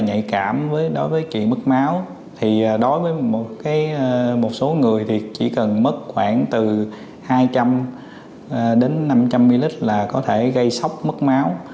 nghệ cảm đối với chuyện mất máu thì đối với một số người thì chỉ cần mất khoảng từ hai trăm linh năm trăm linh ml là có thể gây sốc mất máu